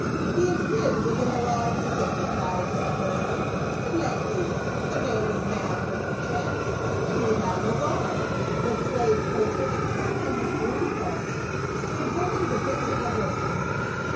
" He is hid within the laurel thicket," replied Agrippa hurriedly. "But let be; the man is mad perchance, and we have no guard." 88 PA UL. The slave, Codrus, wrapped in his gloomy thoughts, stood holding the bits of the horses.